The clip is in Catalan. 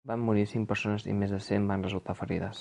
Van morir cinc persones i més cent van resultar ferides.